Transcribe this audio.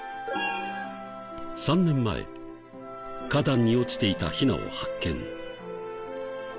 ３年前花壇に落ちていたヒナを発見。